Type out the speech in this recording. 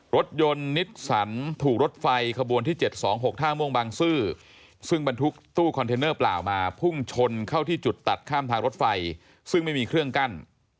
รถยนต์นิสสันถูกรถไฟขบวนที่๗๒๖ท่าม่วงบางซื่อซึ่งบรรทุกตู้คอนเทนเนอร์เปล่ามาพุ่งชนเข้าที่จุดตัดข้ามทางรถไฟซึ่งไม่มีเครื่องกั้น